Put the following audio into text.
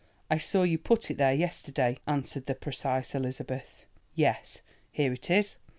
I saw you put it there yesterday," answered the precise Elizabeth. "Yes, here it is.